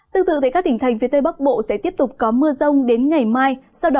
tương tự các tỉnh thành phía tây bắc bộ sẽ tiếp tục có mưa rông đến ngày mai